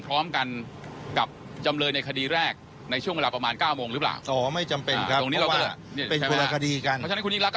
เพราะฉะนั้นคุณอีกแล้วก็อาจจะมาเที่ยงบ่ายก็ได้ใช่ไหมครับ